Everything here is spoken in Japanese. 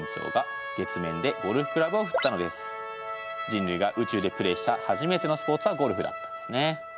人類が宇宙でプレーした初めてのスポーツはゴルフだったんですね。